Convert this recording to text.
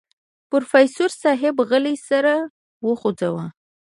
پروفيسر صيب غلی سر وخوځوه.